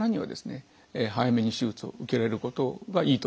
早めに手術を受けられることがいいと思います。